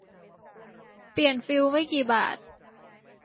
เปลี่ยนฟิวส์ไม่กี่บาท